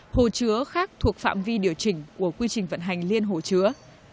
hồ chứa khác thuộc phạm vi điều chỉnh của quy trình vận hành liên hồ chứa